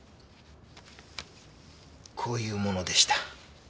こういうものでした。